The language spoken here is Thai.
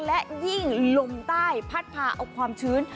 และยิ่งลมใต้พัดพาเอาความชื้น